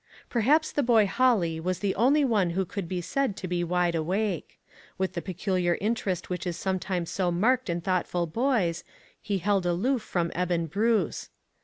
Per haps the boy Holly was the only one who could be said to be wide awake. With the peculiar instinct which is sometimes so marked in thoughtful boys, he held aloof from Eben Bruce.